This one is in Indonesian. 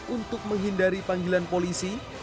untuk menghindari panggilan tersebut